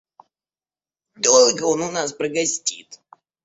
Долго он у нас прогостит?